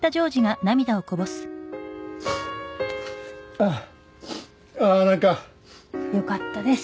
ああーなんかよかったです